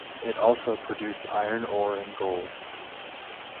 It also produced iron ore and gold.